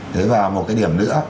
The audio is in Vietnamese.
thế vào một cái điểm nữa